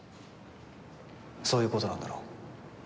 そういうことなんだろ。